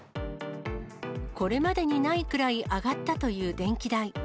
これまでにないくらい上がったという電気代。